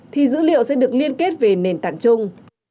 thì dữ liệu sẽ được liên kết về nền tảng chung